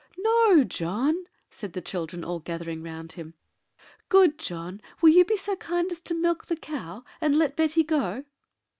"No, John!" said the children, all gathering round him; "good John, will you be so kind as to milk the cow, and let Betty go?"